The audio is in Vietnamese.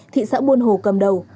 thị xã buôn hồ cầm đầu